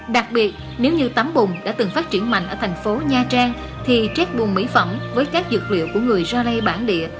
đặc biệt nếu như tấm bùng đã từng phát triển mạnh ở thành phố nha trang thì chết bùng mỹ phẩm với các dược liệu của người ra rây bản địa